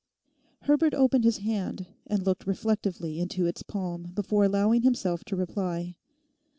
Herbert opened his hand and looked reflectively into its palm before allowing himself to reply.